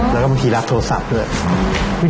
แล้วก็บางทีรับโทรศัพท์ด้วย